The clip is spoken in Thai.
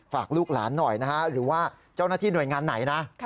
ฝากลูกหลานหน่อยนะฮะหรือว่าเจ้าหน้าที่หน่วยงานไหนนะ